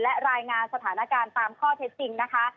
และรายงานสถานการณ์ตามข้อเท็จจริงนะคะ